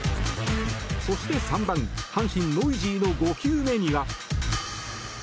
そして３番、阪神ノイジーの５球目には。